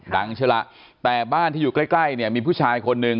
ดังเฉละแต่บ้านที่อยู่ใกล้มีผู้ชายคนหนึ่ง